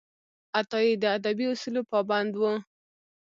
عطايي د ادبي اصولو پابند و.